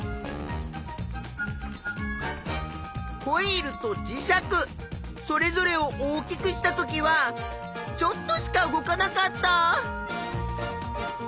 コイルと磁石それぞれを大きくしたときはちょっとしか動かなかった。